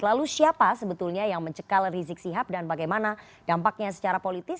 lalu siapa sebetulnya yang mencekal rizik sihab dan bagaimana dampaknya secara politis